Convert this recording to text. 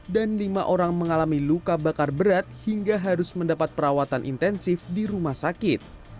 dan lima orang mengalami luka bakar berat hingga harus mendapat perawatan intensif di rumah sakit